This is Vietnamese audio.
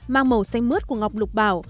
mang màu xanh mướt của ngọc lục bảo